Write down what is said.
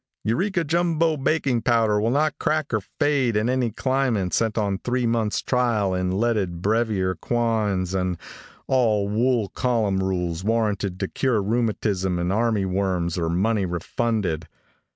Eureka Jumbo Baking Powder will not crack or fade in any climate sent on three months trial in leaded brevier quoins and all wool column rules warranted to cure rheumatism and army worms or money refunded.